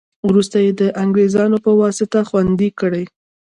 وروسته یې د انګرېزانو په واسطه خوندي کړې.